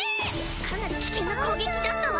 かなり危険な攻撃だったわ！